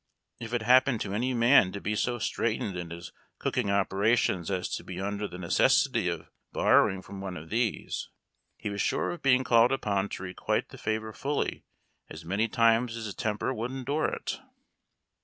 If it happened to any man to be so straitened in his cooking operations as to be under the necessity of borrowing from one of these, he was sure of being called upon to requite the favor fully as many times as his temper would endure it.